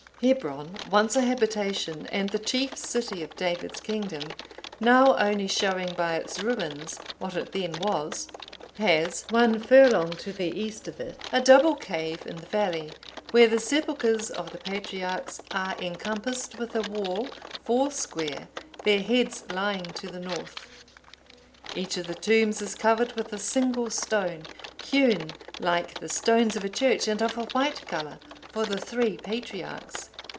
"Hebron, once a habitation and the chief city of David's kingdom, now only showing by its ruins what it then was, has, one furlong to the east of it, a double cave in the valley, where the sepulchres of the patriarchs are encompassed with a wall four square, their heads lying to the north. Each of the tombs is covered with a single stone, hewn like the stones of a church, and of a white colour, for the three patriarchs.